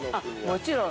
◆もちろん。